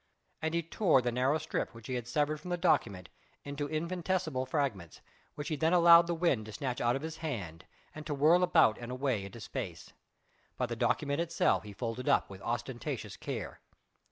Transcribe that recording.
And he tore the narrow strip which he had severed from the document into infinitesimal fragments, which he then allowed the wind to snatch out of his hand and to whirl about and away into space. But the document itself he folded up with ostentatious care.